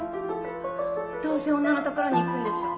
どうせ女のところに行くんでしょ。